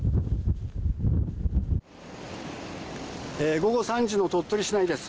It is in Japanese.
午後３時の鳥取市内です。